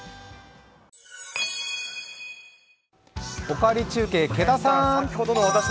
「おかわり中継」、毛田さん。